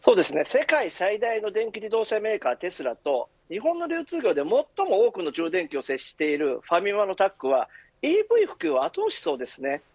世界最大の電気自動車メーカーテスラと日本の流通量で最も多くの充電機を設置しているファミマのタッグはＥＶ普及を後押ししそうですね。